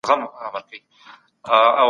ژوند د خپلو هیلو سمبول